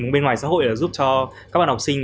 bên ngoài xã hội là giúp cho các bạn học sinh